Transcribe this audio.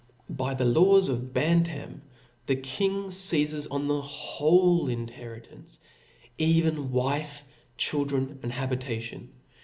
.^^^* By the laws of Bantam ^y the king feizes on the whole inheritance, e^en wife, children and habita tion.